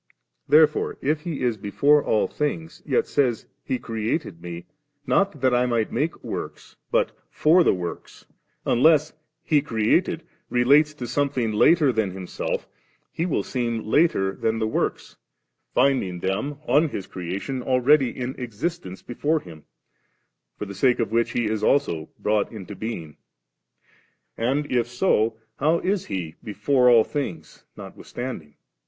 * Therefore if He is before all things, yet says ' He created me * (not * that I might make the works,' but) 'for the works,' unless 'He ere ated • relates to something later than Himself, He will seem later than the works, finding them on His creation already in existence before Him, for the sake of which He is also brought into being. And if so, how is He before all things notwithstanding?